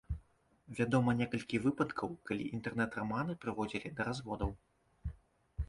Вядома некалькі выпадкаў, калі інтэрнэт раманы прыводзілі да разводаў.